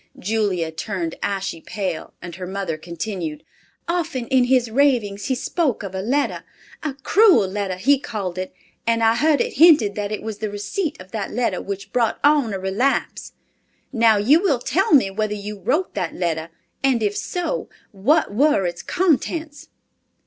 Julia turned ashy pale, and her mother continued—"Often in his ravings he spoke of a letter, a cruel letter he called it, and I heard it hinted that it was the receipt of that letter which brought on a relapse. Now you will tell me whether you wrote that letter, and if so, what were its contents?"